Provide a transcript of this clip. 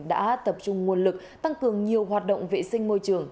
đã tập trung nguồn lực tăng cường nhiều hoạt động vệ sinh môi trường